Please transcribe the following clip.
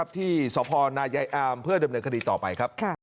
ที่สพนายายอามเพื่อดำเนินคดีต่อไปครับ